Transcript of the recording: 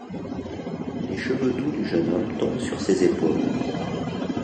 Les cheveux doux du jeune homme tombent sur ses épaules.